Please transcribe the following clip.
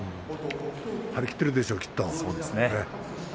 張り切っているでしょう、きっと。